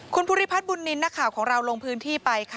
คุณภูริพัฒน์บุญนินต์ของเราลงพื้นที่ไป